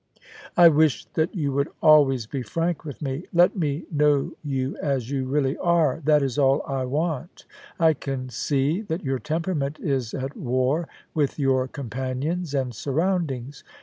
* I wish that you would always be frank with me. Let me know you as you really are — that is all I want I can see that your temperament is at war with your companions and surroundings.